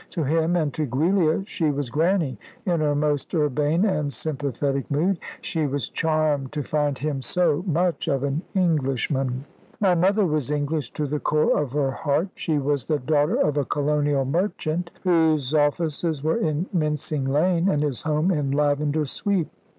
To him, and to Giulia, she was Grannie in her most urbane and sympathetic mood. She was charmed to find him so much of an Englishman. "My mother was English to the core of her heart. She was the daughter of a colonial merchant, whose offices were in Mincing Lane, and his home in Lavender Sweep.